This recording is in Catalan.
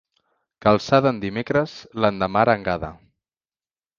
Calçada en dimecres, l'endemà arengada.